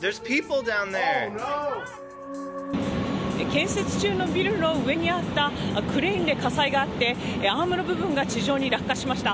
建設中のビルの上にあったクレーンで火災があってアームの部分が地上に落下しました。